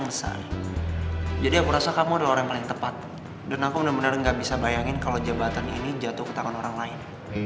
masalahnya saya kan baru aja jadi ketua panitia